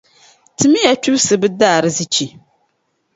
Tim ya kpibsi bɛ daarzichi.